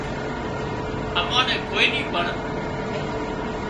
امان نين ڪوئي نِي پڻ